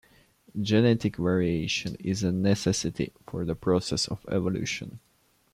Genetic variation is a necessity for the process of evolution.